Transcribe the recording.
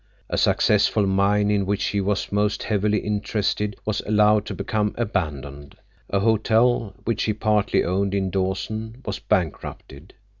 A successful mine in which he was most heavily interested was allowed to become abandoned. A hotel which he partly owned in Dawson was bankrupted.